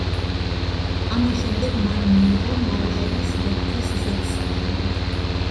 ამის შემდეგ მან მიიღო „მალაიის ვეფხვის“ ზედსახელი.